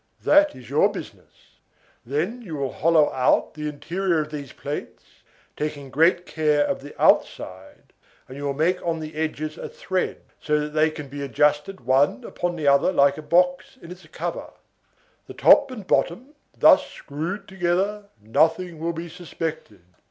That is your business. Then you will hollow out the interior of these plates, taking great care of the outside, and you will make on the edges a thread, so that they can be adjusted one upon the other like a box and its cover. The top and bottom thus screwed together, nothing will be suspected.